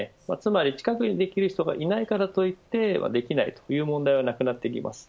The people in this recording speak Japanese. つまり近くにできる人がいないからといってできないという問題はなくなってきます。